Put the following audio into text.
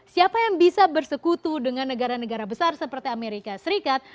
siapa yang bisa bersekutu dengan negara negara besar seperti amerika serikat